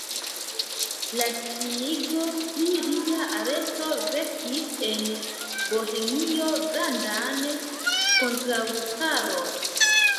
La sciigo pri lia aresto vekis en Bohemio grandan kontraŭstaron.